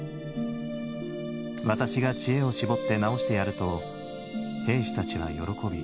私が知恵を絞って直してやると兵士たちは喜び